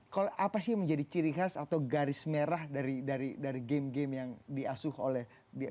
kalau apa sih yang menjadi ciri khas atau garis merah dari game game yang diasuh oleh